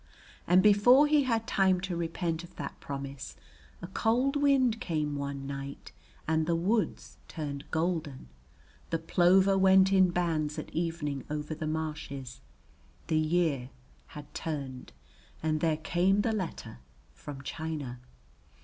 And before he had time to repent of that promise a cold wind came one night and the woods turned golden, the plover went in bands at evening over the marshes, the year had turned, and there came the letter from China.